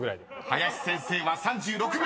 ［林先生は３６秒！］